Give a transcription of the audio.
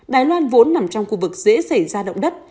đài loan vốn nằm trong khu vực dễ xảy ra động đất